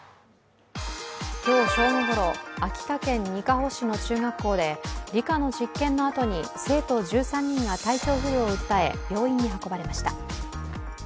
今日正午ごろ秋田県にかほ市の中学校で理科の実験のあとに、生徒１３人が体調不良を訴え、病院に運ばれました。